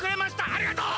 ありがとう！